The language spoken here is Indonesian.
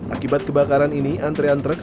akibat kebakaran ini antrean truk